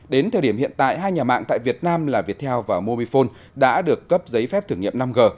đến thời điểm hiện tại hai nhà mạng tại việt nam là viettel và mobifone đã được cấp giấy phép thử nghiệm năm g